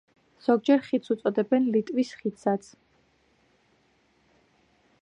ზოგჯერ ხიდს უწოდებდნენ ლიტვის ხიდსაც.